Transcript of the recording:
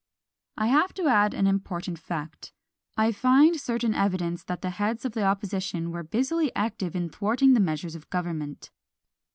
I have to add an important fact. I find certain evidence that the heads of the opposition were busily active in thwarting the measures of government.